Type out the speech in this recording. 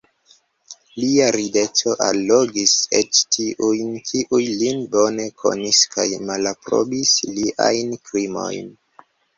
Lia rideto allogis eĉ tiujn, kiuj lin bone konis kaj malaprobis liajn krimojn.